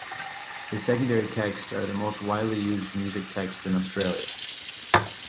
His secondary texts are the most widely used music texts in Australia.